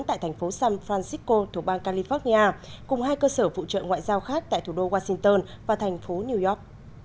tại thành phố sam francisco thuộc bang california cùng hai cơ sở phụ trợ ngoại giao khác tại thủ đô washington và thành phố new york